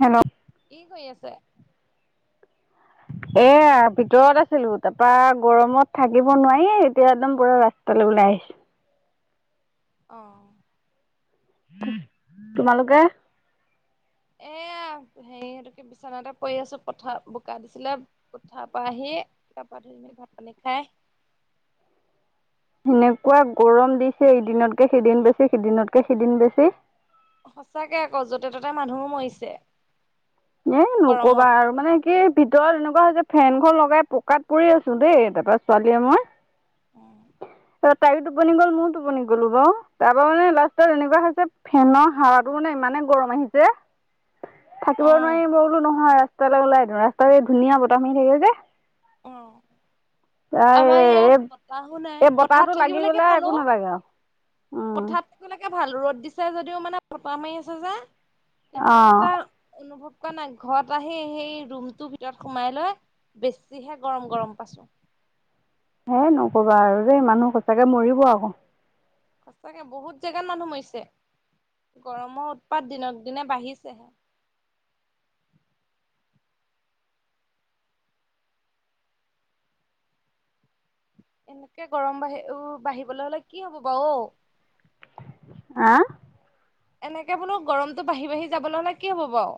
Hello? কি কৰি আছে? এয়া ভিতৰত আছিলোঁ, তাপা গৰমত থাকিব নোৱাৰি এতিয়া একদম পুৰা ৰাস্তা ল ওলাই আহিছোঁ। অঁহ। তোমালোকে এয়া হেৰী এইটো কি বিছনাতে পৰি আছোঁ। পথাৰ বোকা দিছিলে পথাৰ পৰা আহি গা পা ভাত পানী খাই। [inaudible] সেনেকুৱা গৰম দিছে এদিনতকে সেইদিন বেছি, সিদিনতকে সিদিন বেছি। সঁচাকে আকৌ য'তে ত'তে মানুহো মৰিছে। এ নকবা গৰমত আৰু পাততে মানে কি ভিতৰত এনেকুৱা হৈছে ফেনখন লগাই পকাত পৰি আছোঁ দেই, তাপা ছোৱালীয়ে মই অ', ত' তায়ো টোপনি গ'ল মইও টোপনি গ'লো বাৱ, তাপা মানে লাষ্টত এনেকুৱা হৈছে ফেনৰ হাৱা টো মানে ইমানে গৰম আহিছে থাকিব নোৱাৰি অ', মই বোলো নহয় ৰাস্তালে ওলাই দিওঁ, ৰাস্তাত এই ধুনীয়া বতাহ মাৰি থাকে যে। এ আমাৰ এই ইয়াত এই, বতাহো নাই এই বতাহটো লাগি গ'লে একো নালাগে আৱ। পথাতটো এতিয়া লেকে ভাল, ৰ'দ দিছে যদিও মানে বতাহ মাৰি আছে যে, ইমান অ', এটা অনুভৱ নাই ঘৰত আহি সেই ৰুমটো ভিতৰত সোমাই লৈ বেছিহে গৰম গৰম পাইছোঁ। সেই নকবা আৰু দেই, মানুহ সঁচাকে মৰিব আকৌ। সঁচাকে বহুত জেগাত মানুহ মৰিছে। গৰমৰ উৎপাত দিনক দিনে বাঢ়িছেহে। [inaudible] এনেকে গৰম বাঢ়ি উ বাঢ়িবলে হ'লে কি হ'ব বাৰু অ। আহ। এনেকে বোলো গৰমতটো বাঢ়ি বাঢ়ি যাবলৈ হ'লে কি হ'ব বাউ।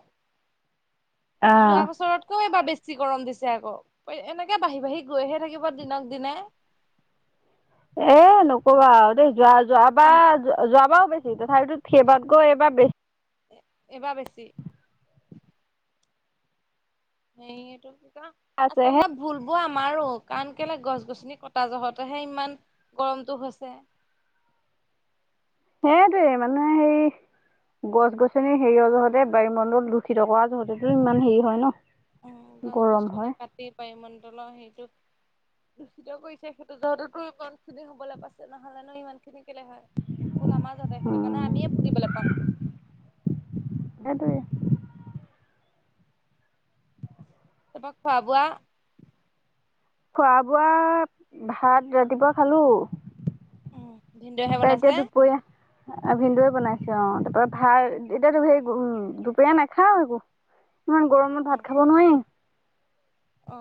অ', যোৱা বছৰতকৈও এইবাৰ বেছি। বেছি গৰম দিছে আকৌ এনেকে বাঢ়ি বাঢ়ি গৈহে থাকিব দিনক দিনে। এ নকবা আউ দেই যোৱা আম যোৱাবাৰ যোৱাবাৰ। বেছি তথাপিতো সেইবাত গৈ এবাৰ বেছি। এ এইবাৰ বেছি। সেই এইটো কি কয়? আছেহে। আচলতে ভুলবোৰ আমা আমাৰো কাৰণ কেলে গছ গছনি কটা জহতেহে ইমান গৰমটো হৈছে। সেইটোৱে মানুহে সেই গছ গছনি হেৰীয় জহতে বায়ু মণ্ডল দূষিত কৰা জহতেটো ইমান হেৰী হয় ন। উম গছ গৰম গছনি হয় কাটি বায়ো মণ্ডলৰ সেইটো দূষিত কৰিছে সেইটো জহতেটো ইমান খিনি হ'বলে পাইছে নহ'লে নো ইমান খিনি কেলে হয়। বোলো আমাৰ জহতে সেইটো উম কাৰণে আমিয়ে ভুগিবলে পাম। সেইটোৱে তাপা খোৱা বোৱা খোৱা বোৱা ভাত ৰাতিপুৱা খালো। উম ভিনদেউহে বনাইছে। ভিন্দুৱে বনাইছে অ, তাপা ভাৰ এ এতিয়াটো সেই দুপৰীয়া নেখাওঁ একো ইমান গৰমত অ', ভাত খাব নোৱাৰি। অ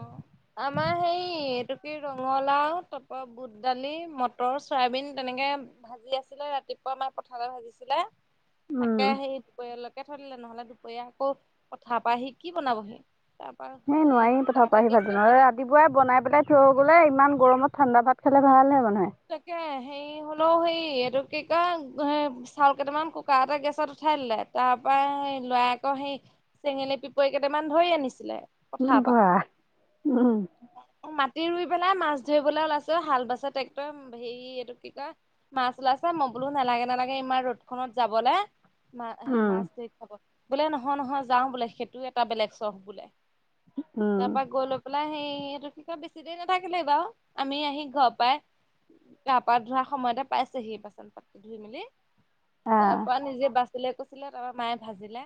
আমাৰ সেই এইটো কি ৰঙলাও তাপা বুট দালি, মটৰ চয়াবিন তেনেকে ভাজি আছিলে ৰাতিপুৱা আমাৰ পথাৰতে ভাজিছিলে। উম তাকে সেই দুপৰীয়া লৈকে থৈ লে নহ'লে দুপৰীয়া আকৌ পথা পা আহি কি বনাবহি। তাপা সেই এটা ৰাতিপুৱাই আহি ভাত গেছতে বনাবলে। ৰাতিপুৱাই বনাই পেলাই থৈ গ'লে ইমান গৰমত ঠাণ্ডা ভাত খালে ভাল হে মানে তাকে। হেৰি হ'লেও হেৰি এইটো কি কয় চাউল কেইটামান কুকাৰটে গেছত উঠাই দিলে তাৰ। পা লৰা আকৌ সেই চেঙেলী পিপই কেইটামান ধৰি আনিছিলে। উম পথাৰ পৰা বা উম। মাটি ৰুই পেলাই মাছ ধৰিবলৈ ওলাইছে হাল বাছে। হেৰি এইটো কি কয় মাছ ওলাইছে মই বোলো নেলাগে নালাগে ইমান ৰদ খনত যাবলে। মা হে মাছ উম ধৰি খাব বোলে নহয় নহয় যাও বোলে সেইটো এটা বেলেগ চখ বোলে। উম তাপা গৈ লৈ পেলাই। সেইটো ক বেছি দেৰি নাথাকিলে বাউ আমি আহি ঘৰ পাই। গা পা ধোৱাৰ সময়তে পাইছেহি বাচন পাতি ধুই মেলি তাৰ পৰা আহ নিজে বাচন। কুচিলে কুচিলে তাৰপা মায়ে ভাজিলে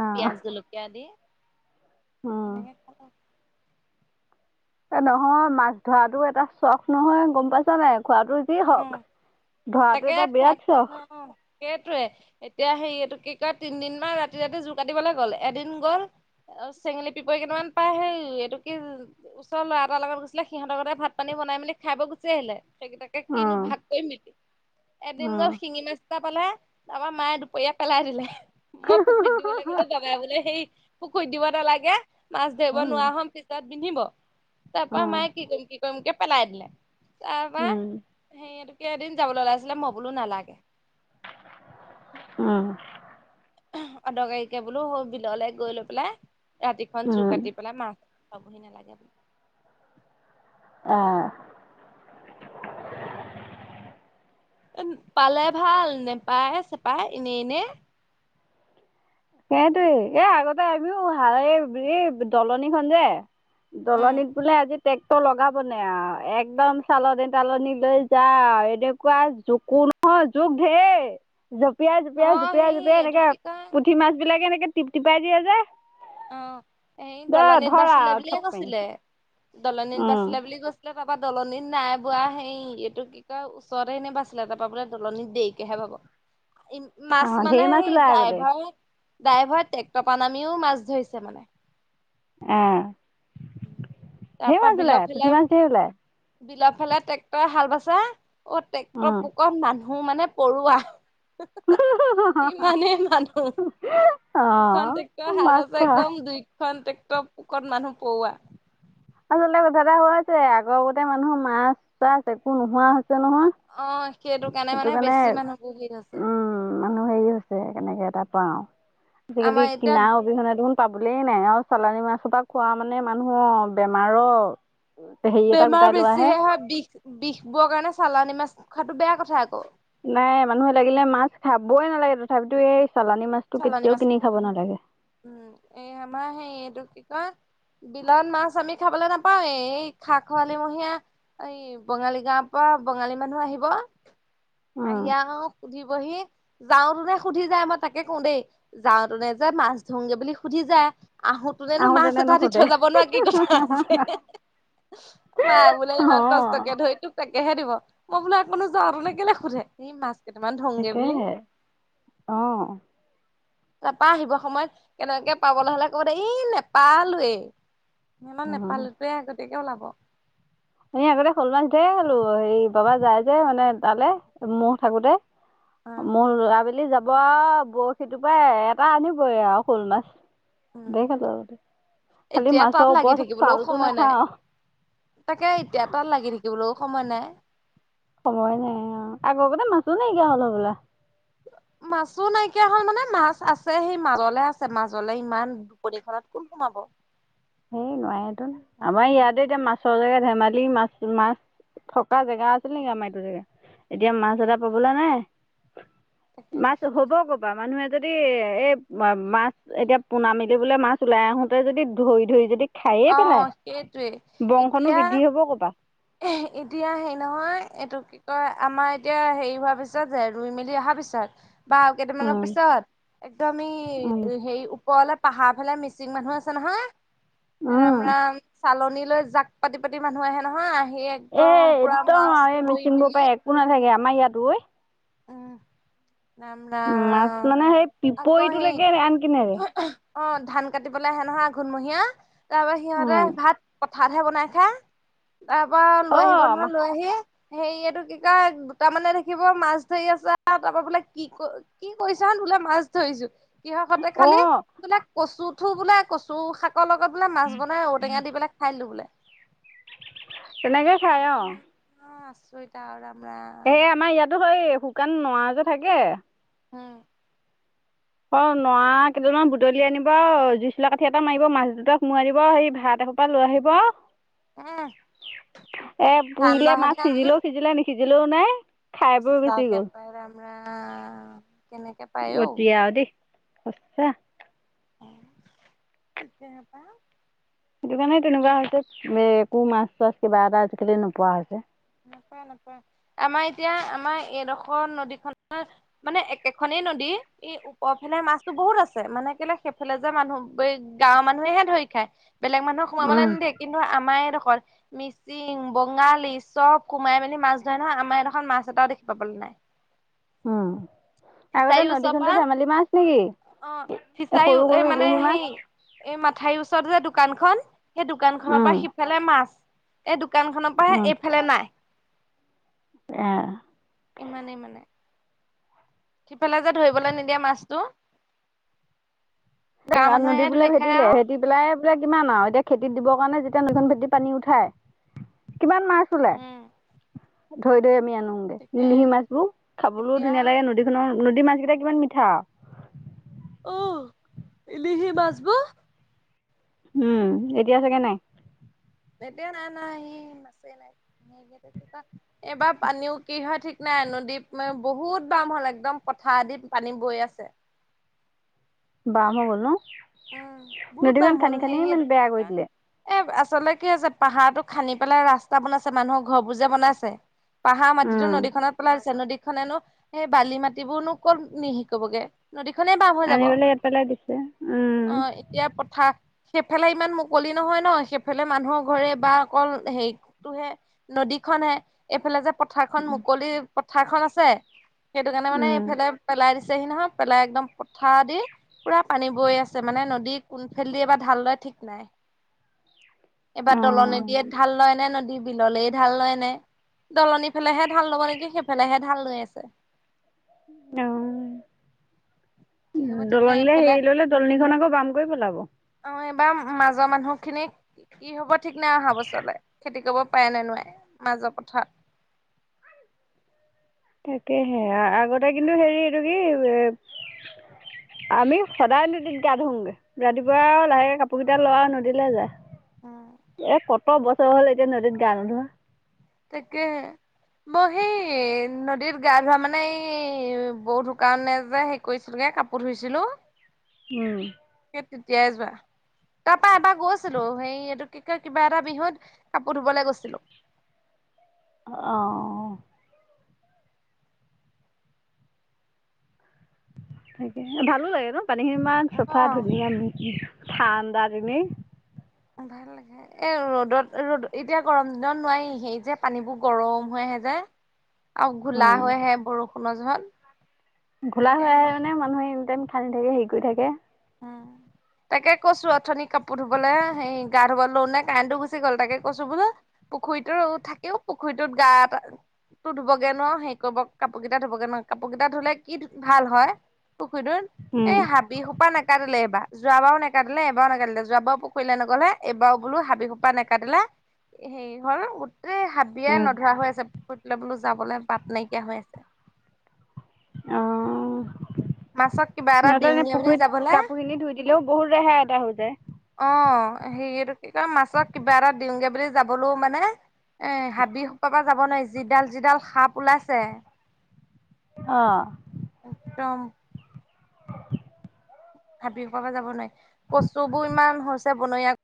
আহ পিয়াজ জলকীয়া দি। উম তেনেকে খালোঁ। এ নহয় মাছ ধৰাতো এটা চখ নহয় গম পাইছ নাই খোৱাটো যি অ হওক। ধৰাটো এটা বিৰাট চক। সেইটয়ে এতিয়া সে এইটো কি কয় তিনদিন মমান ৰাতি ৰাতি জোৰ কাটিবলৈ গ'ল এদিন গল। আৰু চেঙেলী পিপৰি কেইটা পাই হেই এইটো কি ওচৰ ল'ৰা এটাৰ লগত গৈছিলে সিহঁতৰ লগতে ভাত পানী। বনাই মেলি খাইাব গুচি আহিলে সেইকেইটাকে কিনো উম ভাগ কৰিম নেকি। এদিন গ'ল শিঙি মাছ এটা পালে তাৰপৰা মায়ে দুপৰীয়া পেলাই দিলে। মই পুখুৰীত দিবলৈ গ'লো বাবাই বোলে সেই পুখুৰীত দিব নালাগে। মাছ ধৰিব উম নোৱাৰা হ'ম পিছত পিন্ধিব তাৰপা উম মায়ে কি কৰিম কি। কৰিমকে পেলাই দিলে। উম। ক এদিন যাবলৈ ওলাইছিলে মই বোলো নালাগে। উম। অদৰকাৰীকে বোলো স বিললে গৈ লৈ পেলাই ৰাতিখনন জু উম, কাটি পেলাই মাছ খুৱাবহি নালাগে বোলে অঁ। পালে ভাল নেপায় চেপাই এনে এনে সেইটোৱে। আগতে আমিও এই এই দলনিখন যে, উম দলনিত বোলে আজি ট্ৰেক্টৰ লগাব নে আৰু একদম চালনী তালনি লৈ যা। এনেকুৱা জোকো নহয় জোক ঢেৰ। জঁপিয়াই অ জঁপিয়াই জপিয়াই সেই জপিয়াই এইটো এনেকে। কি কয় বিলাকে এনেকে টিপ টিপাই দিয়ে যে,। অ, এই দ দলনিত ধৰা বাচিলে আৰু বুলিয়ে থপ মাৰি কৈছিলে। দলনিত উম, বাচিলে বুলি কৈছিলে। তাৰপা দলনিত নাই বোৱা হেই এইটো কি কয় ওচৰতে সেনে বাচছিলে তাৰ পৰাা বোলে দলনিত দেৰিকেহে বাব। [unintelligible] মাছ অ' মানে ঢেৰ মাছ সেই ওলাই আগতে ড্ৰাইভাৰ- ড্ৰাইভাৰ ট্ৰেক্টৰ পান নামিও মাছ। ধৰিছে মানে। আহ, তাৰ ধেই পৰা মাছ বিলৰ ওলাই পুথি ফালে মাছ ধেই ওলাই। বিলৰ ফালে ট্ৰেক্টৰ হাল বাইচা অ, ট্ৰেক্টৰ উম, পোকত মানুহ মানে পৰুোৱা। হো হো হো বা। ইমানেই মানুহ দুখন টেকটৰ অ' হাল মাছ বাইছে ধৰা একদম দুই। খন ট্ৰেক্টৰ পোকৰত মানুহ পৰোৱা। আচলতে কথা এটা হোৱা আছে আগৰ আগতে মানুহৰ মাছ-চাছ একো নোহোৱা হৈছে নহয়। অ সেইটো মানে কাৰণে বেছি মানুহবোৰ ভিৰ হৈছে উম মানুহ হেৰি হৈছে কেনেকে। তাৰ পাও আজিকালি আমাৰ এতিয়া কিনাৰ অবিহনে। পাবলেই নাই আৰু চালানী মাছৰ পৰা খোৱা মানে মানুহ বেমাৰৰ। হেৰি এটা বেমাৰ গোটাই লোৱাহে বেছিহে হয়। বিষ বিষ বোৰ কাৰণে চালানী মাছ খোৱাটো বেয়া কথা আকৌ। নাই মানুহে লাগিলে মাছ খাবই নালাগে তথাপিতো এই। চালানী মাছটো চালানী কেতিয়াও কাছ কিনি খাব কনা নালাগে উম এই আমাৰ সে এইটো কি কয়। বিলাত মাছ আমি খাবলৈ নাপাওঁৱে এই খাক খৰালিমীয়া। এই বঙালী গাঁৱৰ পৰা বঙালী মানুহ আহিব। আহিও সুধিবহি যাওতো নে সুধি যায় মই তাক তাকে কওঁ দেই যাওঁতে নে যে মাছ ধৰোগে বুলি সুধি যায় আহোতো জনো মাছ আহোঁতেনে এটাহ দি নুখুতে থৈ যাব নোৱাৰা কি কথা আছে। মায় বোলে ইমান অঁ কষ্টকে ধৰি তোক তাকে কেহে দিব। মই বুলো যাওঁ আৰু কেলে সোধে। এই মা [unintelligible] কেইটামান ধৰোগে বুলি। তাকেহে অঁ তাৰাপা আহিব সময়ত কেনেকে পাবলৈ হ'লে ক'ব দ এই নেপালেই। ম মান নেপালটোৱে আগতীয়াকে ওলাব। অ এনে আগতে শ'ল মাছ ধেই খালো হেৰি বাবা যাই যে মানে তালে ম থাকোতে। মোৰ আবেলি যাব। ব বৰশী টুপাই পৰা এটা আনিবই আৰু শ'ল মাছ। উম ধেই খালো আগতে খালি এতিয়া তাত মাছৰ লাগি ওপৰত থাকিবলৈও ছালটো সময় নাই নাখাওঁ। তাকে এতিয়া তাত লাগি থাকিবলৈও সময় নাই। সময় নাই অ, আগৰ কতে মাছো নাইকিয়া হ'ল হবলা। মাছো নাইকিয়া হ'ল মানে মাছ আছে সেই মাজলে আছে মাজলে ইমান দুপৰীখনাত কোন সোমাব। সেই নোৱাৰে টোন আমাৰ ইয়াতে এতিয়া মাছৰ জেগা ধেমালি মাছ মাছ [unintelligible] থকা জেগা আছিল নেকি আমাৰ এইটো জেগা। এতিয়া মাছ এটা পাবলৈ নাই। তাকে মাছ হ'ব কঁপা মানুহে যদি এই মাছ এতিয়া পোনা মেলি বোলে মাছ ওলাই আহোতে যদি ধৰি ধৰি যদি খায়ে পেলাই আহ, সেইটোৱে বংশনো এতিয়া বৃদ্ধি হ'ব ক'পা। এতিয়া হে নহয় এইটো। তই আমাৰ এতিয়া হেৰি হোৱা পিছত যে ৰুই মেলি অহা পিছত। বা কেইটামানৰ উম, পিছত একদমি উম, হেৰি ওপ অলপ। পাহাৰ ফালে মিচিং মানুহ আছে নহয়। উম। ৰামৰাম চালনী জাক পাতি পাতি মানুহ আহে নহয় আহি এ পুৰা একদম মাছ আৰু এই ধৰি মিচিং বোৰ মেলি পৰা একো নাথাকে আমাৰ ইয়াতো। উম। মাছ [unintelligible] মানে সেই আকৌ সেই পিপৰিটোলৈকে আনকি নেৰে। [unintelligible] অ ধান কাটিবলৈ আহে নহয় আঘোণমহীয়া তাৰ পৰা সিহঁতে উম। ভাত ভাতহে বনাই খায় তাৰ পৰা লৈ আহিব অ', নহয় লৈ আহি হেৰি এটো কি কয় দুতামানে থাকিব মাছ ধৰি আছো তাৰপৰা বোলে কি কৰিছ তহঁত বোলে মাছ ধৰিছো কিহৰ সতে খালি অ', বোলে কচুঠো বোলে কচু শাক শাকৰ লগত বোলে মাছ বনাই ঔ টেঙা দি পেলাই খাই দিলো বোলে তেনেকে খাই অ আচৰিত আও এ আমাৰ ইয়াতো সেই শুকান নৰা যে থাকে উম অ নৰা কেইডালমান বুটলি আনিব জুই চোলা কাঠি এটা মাৰিব মাছ দুটা সোমোৱাই দিব সেই ভাত ভাত সোপা লৈ আহিব এ এ ঠাণ্ডা পুৰিলে মাছ সিজিলেও সিজিলে নি সিজিলেও নাই খাই বৈ গুচি সসালকে গ'ল, পায় আম [unintelligible] কেনেকে পায় অও সছা সিকোপা [unintelligible] সেইটো কাৰণে তেনেকুৱা হৈছে একো মাছ চাছ কিবা এটা আজিকালি নোপোৱা হৈছে নাপায় নাপায় আমাৰ এতিয়া আমাৰ এডোখৰ নদী খনৰ মানে এখনে এই নদী এই ওপৰ ফালে মাছতো বহুত আছে মানে কেলে সেইফালে যে মানুহ গাঁৱৰ মানুহে ধৰে খাই বেলেগ মানুহক সোমাবলে উম। নিদিয়ে, কিন্তু আমাৰ এইডোখৰ মিচিং বঙ চব সোমাই মেলি মাছ ধৰে নহয় আমাৰ এইডখত মাছ এটাও দেখি পাবলৈ নাই। আহ। আগতে ফিচাৰীও নদী ওচৰৰ খনতে পৰা ধেমালি মাছ নেকি অ ফিচাৰী সৰু সৰু এই মানে ইলীচ মাছ। সেই এই মাথাইৰ ওচৰত যে দোকানখন সেই দোকান খনৰ উম, পৰা সিফালে মাছ এই দোকান খনৰ পৰা উম। এইফালে নাই। ইমানেই মানে সিফালে যে ধৰিবলে নিদিয়ে মাছটো। গাঁৱৰ নদী মানুহেহে বোলে ধৰি খায় ভেটিলে আৰু ভেটি পেলাই বোলে কিমান আও এতিয়া খেতিত দিবৰ কাৰণে খন ভেটি [unintelligible] পানী উঠাই কিমান মাছ ওলাই উম ধৰি ধৰি আমি আনো। তাকে নিলিহি মাছবোৰ খাবলৈও এতিয়া ধুনীয়া লাগে, নদীখনৰ নদী মাছ কেইটা কিমান মিঠা। আহ ইলিহি মাছ বোৰ। উম এতিয়া চাগে নাই। এতিয়া নাই নাই এই মাছেই নাই এইবাৰ পানীও কি হয় ঠিক নাই? নদী মান বহুত বাম হ'ল একদম পথাৰদি পানী বৈ আছে। বাম হৈ গ'ল ন? উম বহুত নদীখন বাম হ'ল খান্দি সে খান্দি ইমান সিহটো বেয়া কৰি চাইদে দিলে। এ আ আচলতে কি আছে পাহাৰতো খান্দি পেলাই ৰাস্তা বনাইছে মানুহৰ ঘৰবোৰ জে বনাইছে পাহাৰ মাটিতো উম। নদীখনত পেলাইছে নদীখনেনো সেই বালি মাটিবোৰনো কত নিশেষ কৰিবগে। নদীখনেই বাম হৈ আনি যাব, পেলাই ইয়াত পেলাই দিছে অ এতিয়া পথাৰ সেইফালে ইমান মুকলি নহয় ন সেইফালে মানুহৰ ঘৰে বা অকল হেৰিটোহে নদী খন হে এইফালে যে পথাৰ খন মুকলি পথাৰ খন আছে সেইটো কাৰণে মানে এইফালে পেলাই দিছে। পেলাইচেহি নহয় পেলাই একদম পথাই দি পুৰা পানী। বৈ আছে মানে নদী কোনফালে দি এবাৰ ঢাল লয় ঠিক নাই। এইবাৰ অঁ দলনি অঁ দীয়ে ঢাল লয় নে নদী বিললে ঢাল লয় নে? দলনি ফালেহে ঢাল ল'ব নেকি সেইফালেহে ঢাল লৈ আছে। আহ কি হ'ব ঠিক নাই দলনিলে এইফালে হেৰি ললে দলনিখন আকৌ বাম কৰি পেলাব বা মাজৰ মানুহ খিনিক কি হ'ব ঠিক নাই অহা ব চলে খেতি কৰিব। পায় নে নোৱাই মাজৰ পথাৰ। তাকেহে আগতে কিন্তু হেৰি এইটো কি এ আমি সদায় নদীত গা ধুওগে ৰাতিপুৱা আৰু লাহেক কাপোৰ কেইটা ল আৰু নদীলৈ উম যায়। এ কত বছৰ হ'ল এতিয়া নদীত গা নোধোৱা তাকে। মই সেই নদীত গা ধোৱা মানে এই বৌ ধুকাওঁতে যে হে কৰিছিলগে কাপোৰ ধুইছিলো। হম। সেই তেতিয়াই যোৱা। তাৰ পা এবাৰ গৈছিলো সেই এইটো কিবা এটা বিহুত কাপোৰ ধুবলৈ গৈছিলো। আহঁ। তে ভালো লাগে ন পানীখিনি ইমান চফা অ ধুনীয়া ধান। [unintelligible] ভাল লাগে এ ৰ'দত ৰ'দ এতিয়া গৰম দিনত নোৱাৰি সেই যে পানীবোৰ গৰম হৈ আহে যে। [inaudible] আৰু ঘোলা হৈ আহে বৰষুণৰ জহত। ঘোলা হৈ এতিয়া আহে নোৱাৰি মানে মানুহে এটাই মিঠানদি থাকে হেৰি কৰি থাকে। উম [inaudible] তাকে কৈছো আঁথনি কাপোৰ ধুবলে সেই গা ধুব লওঁ নে কাৰেটটো গুচি গ'ল তাকে কৈছো বোলো। পুখুৰীটোৰ থাকেও পুখুৰীটোত গাত তোৰ ধুবগে নোৱাৰ সেই কৰিব কাপোৰ কেইটা ধুবগে নোৱাৰ কাপোৰ কেইটা ধুলে কি ভাল হয়। সুন উম এই হাবি কাটিলে এবাৰ যোৱাবাৰও নেকাটিলে এবাৰো নেকাটিলে দিলে যোৱাবাৰ পুখুৰী লে নগ'লে এইবাৰ বোলো হাবি খোপা নেকাটিলে সেই ঘৰ এই হাবিয়ে উম নধৰা হৈ আছে পুখুৰি পেলাই বোলো যাবলৈ বাট নাইকিয়া হৈ আছে। অ মাছক কিবা এটা সিহতে এনে দিওঁগে বুলি পুখুৰীত যাবলে কাপোৰ খিনি ধুই দিলেও বহুত ৰেহাই এটা হৈ যায়। অ সেৰিটো কি কয় মাছক কিবা এটা দিওঁগে বুলি যাবলৈও মানে এ হাবি সোপা পা যাব নোৱাৰি যিডাল যিডাল সাপ ওলাইছে। আহ একদম হাবি খনৰ পৰা যাব নোৱাৰি কচু বোৰ ইমান হৈছে বনৰীয়া